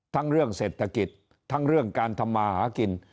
ทั้งเรื่องเศรษฐกิจทั้งเรื่องการทำมาหากิน